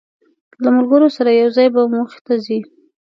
له ملګرو سره یو ځای به موخې ته ځی.